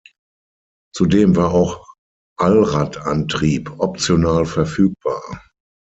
Zudem war auch Allradantrieb optional verfügbar.